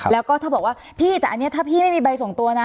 แล้วก็ถ้าบอกว่าพี่แต่อันนี้ถ้าพี่ไม่มีใบส่งตัวนะ